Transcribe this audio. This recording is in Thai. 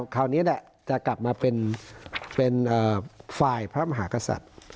คราวนี้แหละจะกลับมาเป็นฝ่ายพระมหากษัตริย์